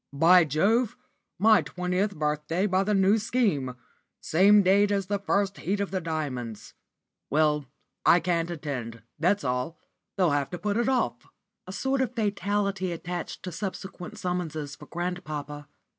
"By Jove! my twentieth birthday by the New Scheme same date as first heat of the 'Diamonds.' Well, I can't attend, that's all. They'll have to put it off." A sort of fatality attached to subsequent summonses for grandpapa.